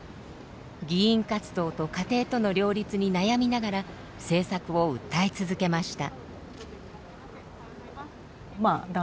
議員活動と家庭との両立に悩みながら政策を訴え続けました。